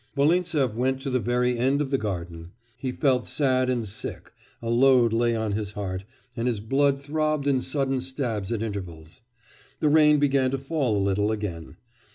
Volintsev went to the very end of the garden. He felt sad and sick; a load lay on his heart, and his blood throbbed in sudden stabs at intervals. The rain began to fall a little again.